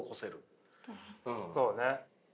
そうね。